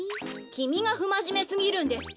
きみがふまじめすぎるんです。